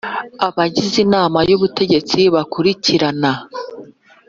Abagize Inama y Ubutegetsi bakurikirana